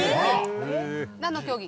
何の競技？